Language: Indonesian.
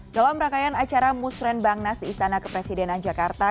dalam rangkaian acara musren bangnas di istana kepresidenan jakarta